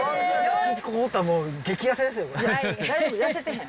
ここおったらもう激痩せですよ。